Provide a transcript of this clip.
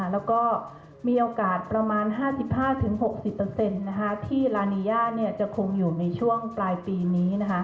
แล้วก็มีโอกาสประมาณ๕๕๖๐ที่ลานีย่าจะคงอยู่ในช่วงปลายปีนี้